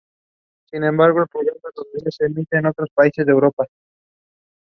The origins are believed to be associated with a nearby sweet factory.